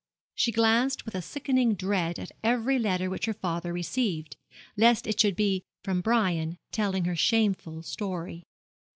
She glanced with a sickening dread at every letter which her father received, lest it should be from Brian, telling her shameful story.